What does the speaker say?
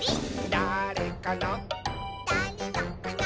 「だれのかな」